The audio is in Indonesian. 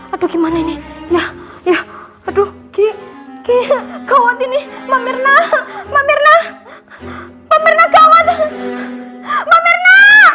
aduh gimana ini ya ya aduh ki ki gawat ini mbak mirna mbak mirna mbak mirna gawat mbak mirna